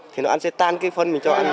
thì nó ăn sẽ tan cái phân mình cho ăn